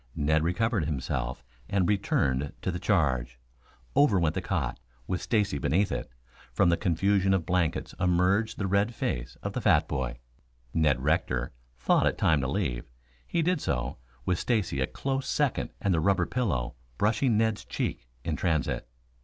Ned recovered himself and returned to the charge. Over went the cot, with Stacy beneath it. From the confusion of blankets emerged the red face of the fat boy. Ned Rector thought it time to leave. He did so, with Stacy a close second and the rubber pillow brushing Ned's cheek in transit.